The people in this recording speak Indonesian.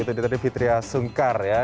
itu dia tadi fitriah sungkar ya